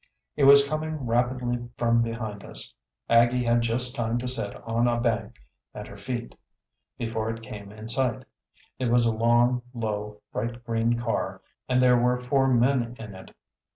It was coming rapidly from behind us. Aggie had just time to sit on a bank and her feet before it came in sight. It was a long, low, bright green car and there were four men in it.